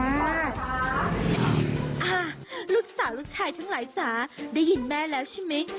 อ่าลูกสาวลูกชายทั้งหลายจ๋าได้ยินแม่แล้วใช่ไหม